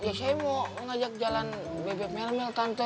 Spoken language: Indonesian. ya saya mau ngajak jalan bebek melmel kantor